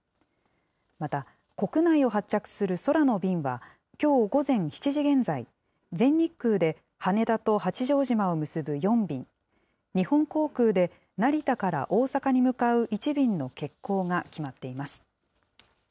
また、国内を発着する空の便は、きょう午前７時現在、全日空で羽田と八丈島を結ぶ４便、日本航空で成田から大阪に向かう１便の欠航が決まっています。